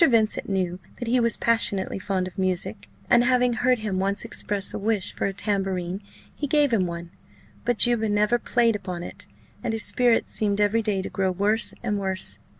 Vincent knew that he was passionately fond of music; and having heard him once express a wish for a tambourine, he gave him one: but Juba never played upon it, and his spirits seemed every day to grow worse and worse.